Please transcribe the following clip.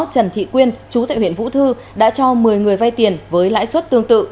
trần thị quyên chú tại huyện vũ thư đã cho một mươi người vay tiền với lãi suất tương tự